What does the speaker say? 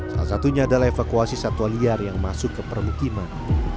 salah satunya adalah evakuasi satwa liar yang masuk ke permukiman